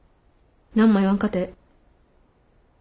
何も言わんかてええ。